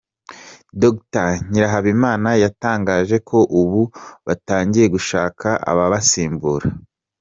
Dr Nyirahabimana yatangaje ko ubu batangiye gushaka ababasimbura.